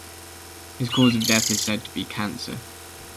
His cause of death is said to be cancer.